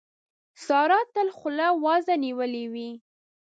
سارا تل خوله وازه نيولې وي.